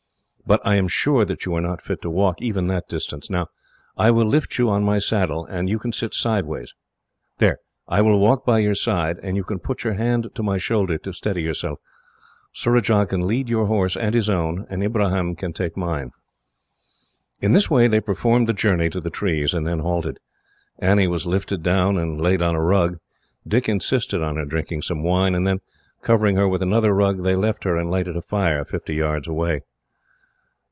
"But I am sure that you are not fit to walk, even that distance. Now, I will lift you on my saddle, and you can sit sideways. There, I will walk by your side, and you can put your hand to my shoulder to steady yourself. Surajah can lead your horse and his own, and Ibrahim can take mine." In this way they performed the journey to the trees, and then halted. Annie was lifted down, and laid on a rug. Dick insisted on her drinking some wine, and then, covering her with another rug, they left her and lighted a fire, fifty yards away.